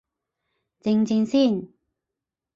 靜靜先